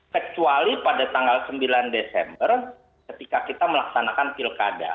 kecuali pada tanggal sembilan desember ketika kita melaksanakan pilkada